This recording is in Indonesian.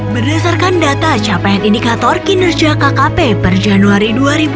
berdasarkan data capaian indikator kinerja kkp per januari dua ribu dua puluh